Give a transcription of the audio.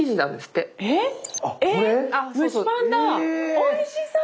おいしそう！